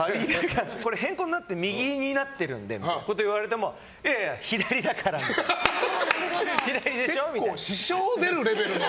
これ、変更になって右になってるんでみたいなことを言われてもいやいや、左だからみたいな。結構、支障出るレベルの。